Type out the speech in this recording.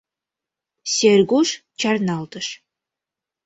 — Сергуш чарналтыш.